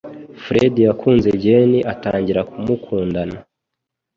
Fred yakunze Jane atangira kumukundana.